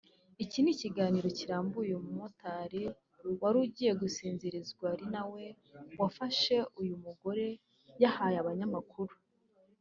iki ni ikiganiro kirambuye uyu mumotari warugiye gusinzirizwa ari nawe wafashe uyu mugore yahaye abanyamakuru